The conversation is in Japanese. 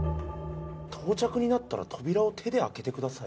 「到着になったら扉を手であけて下さい」。